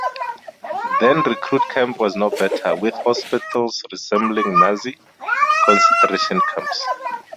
Then recruit camp was no better, with hospitals resembling Nazi concentration camps...